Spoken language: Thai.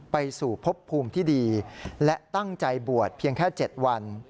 ไปสู่พบภูมิที่ดีและตั้งใจบวชเพียงแค่๗วัน